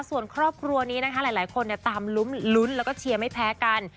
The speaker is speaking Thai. ส่วนครอบครัวนี้นะคะหลายคนตามลุ้นแล้วก็เชียร์ไม่แพ้กัน